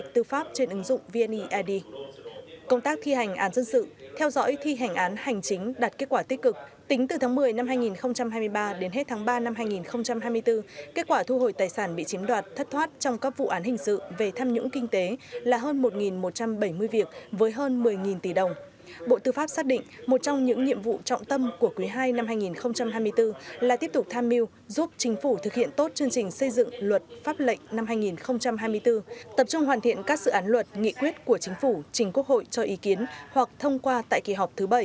tập trung hoàn thiện các sự án luật nghị quyết của chính phủ trình quốc hội cho ý kiến hoặc thông qua tại kỳ họp thứ bảy